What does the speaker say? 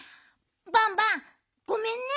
バンバンごめんね。